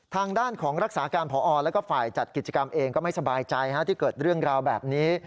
ทางด้านของรักษาการพอแล้วก็ฝ่ายจัดกิจกรรมเองก็ไม่สบายใจที่เกิดเรื่องราวแบบนี้